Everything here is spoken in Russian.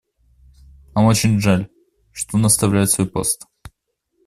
Нам очень жаль, что он оставляет свой пост.